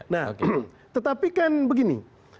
nah tetapi kan begini